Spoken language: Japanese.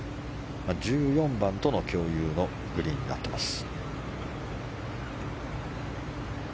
１４番との共有のグリーンになっています。